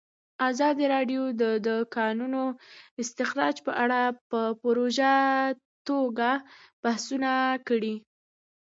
ازادي راډیو د د کانونو استخراج په اړه په ژوره توګه بحثونه کړي.